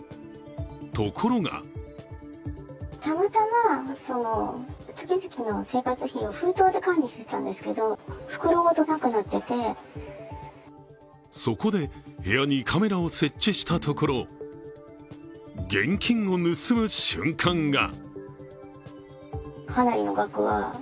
ところがそこで部屋にカメラを設置したところ、現金を盗む瞬間が。